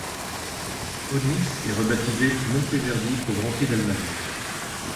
Onyx est rebaptisée Monteverdi au Grand Prix d'Allemagne.